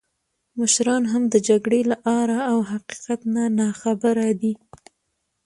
مشران هم د جګړې له آره او حقیقت نه ناخبره دي.